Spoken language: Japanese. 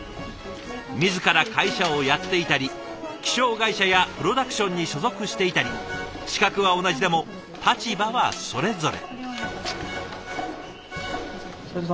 自ら会社をやっていたり気象会社やプロダクションに所属していたり資格は同じでも立場はそれぞれ。